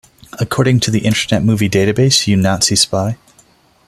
According to the Internet Movie Database, You Nazty Spy!